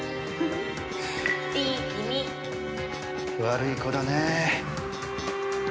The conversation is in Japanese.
悪い子だね。